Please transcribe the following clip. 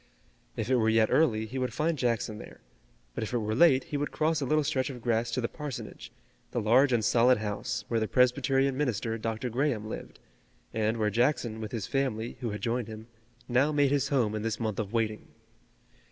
If it were yet early he would find Jackson there, but if it were late he would cross a little stretch of grass to the parsonage, the large and solid house, where the Presbyterian minister, Dr. Graham, lived, and where Jackson, with his family, who had joined him, now made his home in this month of waiting.